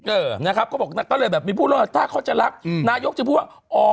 เออนะครับก็บอกก็เลยแบบมีพูดว่าถ้าเขาจะรักนายกจะพูดว่าอ๋อ